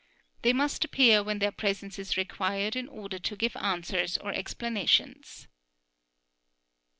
They must appear when their presence is required in order to give answers or explanations.